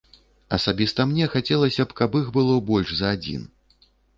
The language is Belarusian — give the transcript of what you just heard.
Асабіста мне хацелася б, каб іх было больш за адзін.